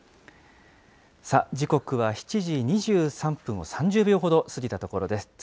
さあ、時刻は７時２３分を３０秒ほど過ぎたところです。